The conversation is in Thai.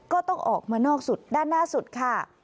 ก็ต้องออกมานอกสุดด้านหน้าสุดค่ะ